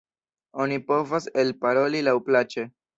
Oni povas elparoli laŭplaĉe.